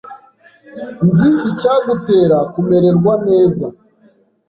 Nzi icyagutera kumererwa neza.